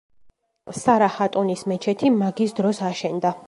სარა ჰატუნის მეჩეთი მაგის დროს აშენდა.